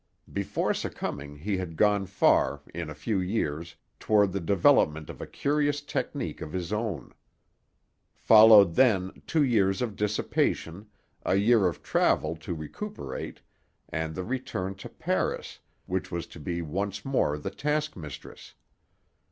Before succumbing he had gone far, in a few years, toward the development of a curious technique of his own. Followed then two years of dissipation, a year of travel to recuperate, and the return to Paris, which was to be once more the task mistress.